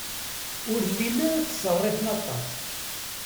Ur llin ara ttṣerrifen aṭas.